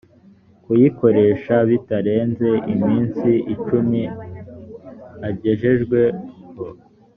kuyikoresha bitarenze iminsi icumi agejejweho